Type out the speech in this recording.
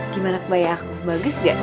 gimana kebayangku bagus gak